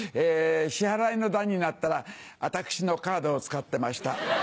支払いの段になったら私のカードを使ってました。